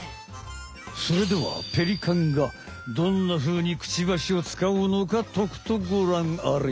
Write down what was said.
それではペリカンがどんなふうにクチバシを使うのかとくとごらんあれ！